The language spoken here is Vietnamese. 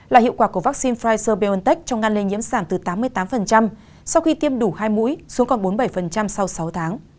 là hiệu quả của vaccine pfizer biontech trong ngăn lây nhiễm giảm từ tám mươi tám sau khi tiêm đủ hai mũi xuống còn bốn mươi bảy sau sáu tháng